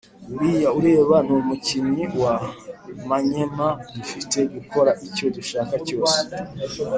Uriya ureba numukinnyi wa manyema dufite gukora icyo dushaka cyose